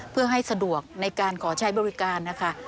เพื่อให้สะดวกในการขอใช้บริการนะคะ